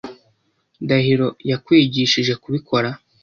Ndahiro yakwigishije kubikora?